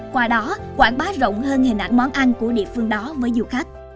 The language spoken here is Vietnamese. qua đó quảng bá rộng hơn hình ảnh món ăn của địa phương đó với du khách